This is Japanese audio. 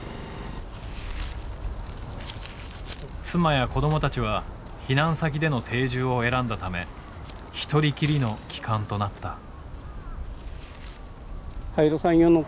妻や子供たちは避難先での定住を選んだため一人きりの帰還となった。